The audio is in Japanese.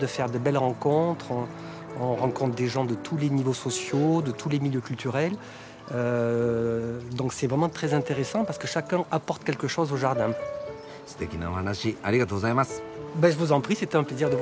ステキなお話ありがとうございます。